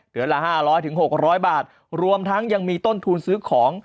เดือนละ๕๐๐๖๐๐บาทรวมทั้งยังมีต้นทุนซื้อของ